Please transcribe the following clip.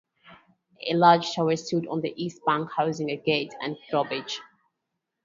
A large tower stood on the East bank, housing a gate and a drawbridge.